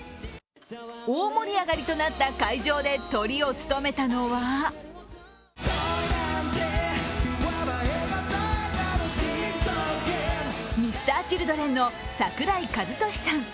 大盛り上がりとなった会場でトリを務めたのはＭｒ．Ｃｈｉｌｄｒｅｎの桜井和寿さん。